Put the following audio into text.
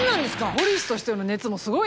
ポリスとしての熱もすごいな。